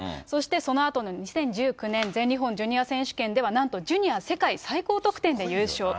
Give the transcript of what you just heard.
そして、そのあとの２０１９年全日本ジュニア選手権では、なんとジュニア世界最高得点で優勝。